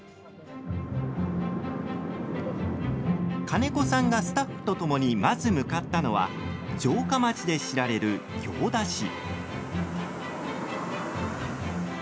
金子さんがスタッフとともにまず向かったのは城下町で知られる行田市。